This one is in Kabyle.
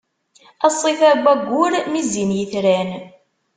A ṣṣifa n wayyur, mi zzin yetran.